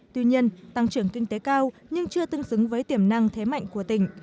tuy nhiên tăng trưởng kinh tế cao nhưng chưa tương xứng với tiềm năng thế mạnh của tỉnh